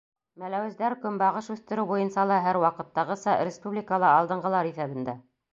Мәләүездәр көнбағыш үҫтереү буйынса ла, һәр ваҡыттағыса, республикала алдынғылар иҫәбендә.